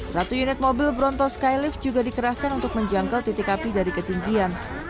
satu unit mobil bronto skylift juga dikerahkan untuk menjangkau titik api dari ketinggian